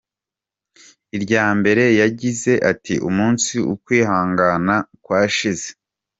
-Irya mbere yagize ati umunsi ukwihangana kwashize!